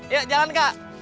ya jalan kak